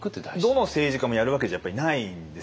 どの政治家もやるわけじゃないんですよ。